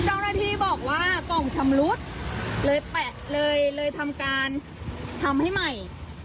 เจ้าหน้าที่บอกว่ากล่องชำรุดเลยแปะเลยเลยทำการทำให้ใหม่